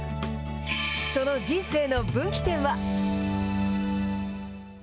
その人生の分岐点は。